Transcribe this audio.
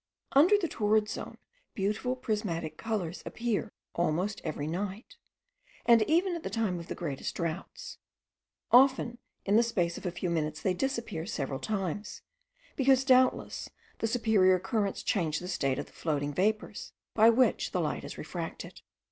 Under the torrid zone beautiful prismatic colours appear almost every night, and even at the time of the greatest droughts; often in the space of a few minutes they disappear several times, because, doubtless, the superior currents change the state of the floating vapours, by which the light is refracted.